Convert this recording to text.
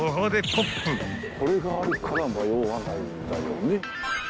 ・これがあるから迷わないんだよね。